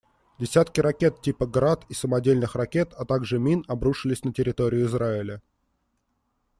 Десятки ракет типа «Град» и самодельных ракет, а также мин обрушились на территорию Израиля.